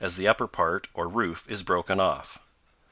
the upper part, or roof, is broken off.